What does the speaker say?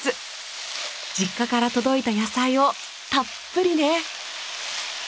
実家から届いた野菜をたっぷりね！